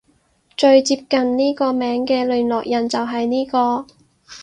最接近呢個名嘅聯絡人就係呢個